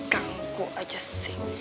ganggu aja sih